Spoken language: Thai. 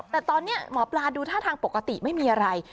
แต่ตอนนี้หมอปลาดูท่าทางปกติไม่มีอะไร